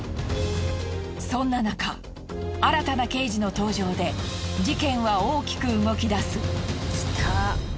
そんななか新たな刑事の登場で事件は大きく動き出す。